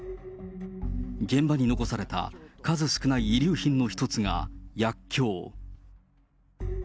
現場に残された数少ない遺留品の一つが薬きょう。